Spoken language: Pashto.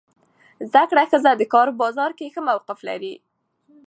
زده کړه ښځه د کار بازار کې ښه موقف لري.